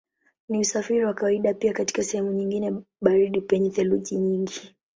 Ni usafiri wa kawaida pia katika sehemu nyingine baridi penye theluji nyingi.